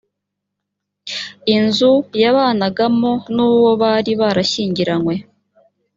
inzu yabanagamo n uwo bari barashyingiranywe